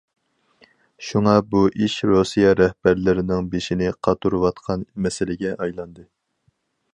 شۇڭا، بۇ ئىش رۇسىيە رەھبەرلىرىنىڭ بېشىنى قاتۇرۇۋاتقان مەسىلىگە ئايلاندى.